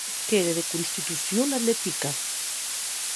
Qu'ère de constitucion atletica.